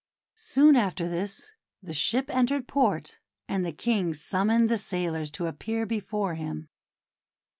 Soon after this, the ship entered port, and the King summoned the sailors to appear before him.